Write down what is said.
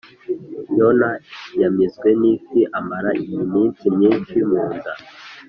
Yona ya mizwe nifi amara iy’iminsi myinshi mu nda